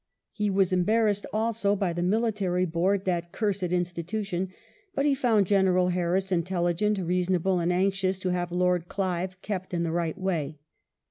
He was embarrassed also by the Military Board, that "cursed institution," but he found General Harris intelligent, reasonable, and anxious to have Lord Clive "kept in the right way."